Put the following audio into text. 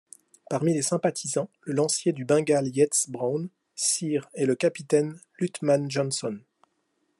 Parmi les sympathisants, le lancier du Bengale Yeats-Brown, Sir et le capitaine Luttmann Johnson.